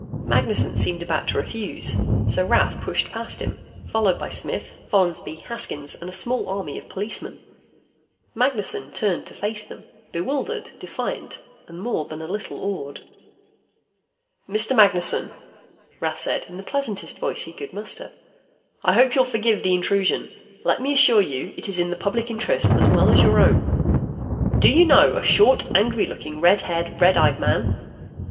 Magnessen seemed about to refuse, so Rath pushed past him, followed by Smith, Follansby, Haskins, and a small army of policemen. Magnessen turned to face them, bewildered, defiant and more than a little awed. "Mr. Magnessen," Rath said, in the pleasantest voice he could muster, "I hope you'll forgive the intrusion. Let me assure you, it is in the Public Interest, as well as your own. Do you know a short, angry looking, red haired, red eyed man?"